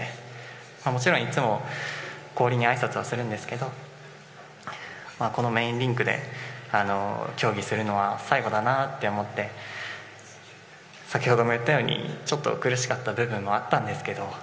もちろん、いつも氷にあいさつはするんですけどこのメインリンクで競技するのは最後だなと思って先ほども言ったようにちょっと苦しかった部分もあったんですけど